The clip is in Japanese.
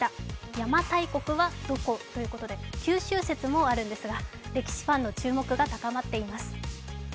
邪馬台国はどこ？ということで九州説もあるんですが歴史ファンの注目が高まっています。